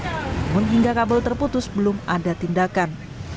namun hingga kabel terputus belum ada tindakan